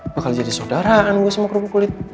bakal jadi saudaraan gue sama kerupuk kulit